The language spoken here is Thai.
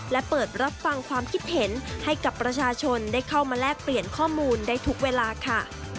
และเปิดรับฟังความคิดเห็นให้กับประชาชนได้เข้ามาแลกเปลี่ยนข้อมูลได้ทุกเวลาค่ะ